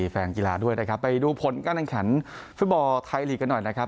แฟนกีฬาด้วยนะครับไปดูผลการแข่งขันฟุตบอลไทยลีกกันหน่อยนะครับ